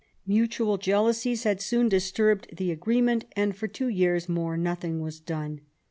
Mutual jealousies had soon disturbed the agreement, and for two years more nothing was done.